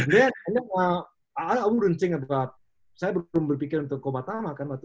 dan itu eh aku gak berpikir itu apa tuh saya belum berpikir untuk koba tama kan waktu